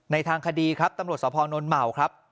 ทางคดีครับตำรวจสภนนเหมาครับ